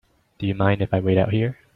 Do you mind if I wait out here?